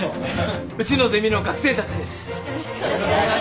うちのゼミの学生たちです。